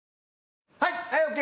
はいＯＫ